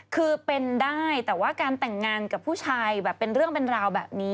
คือเป็นได้แต่ว่าการแต่งงานกับผู้ชายแบบเป็นเรื่องเป็นราวแบบนี้